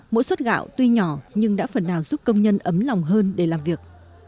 mỗi suất gạo tuy nhỏ nhưng đã phần nào giúp công nhân ấm lòng hơn để làm việc